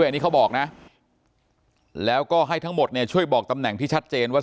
อันนี้เขาบอกนะแล้วก็ให้ทั้งหมดเนี่ยช่วยบอกตำแหน่งที่ชัดเจนว่า